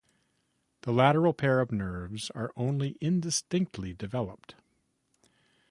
The lateral pairs of nerves are only indistinctly developed.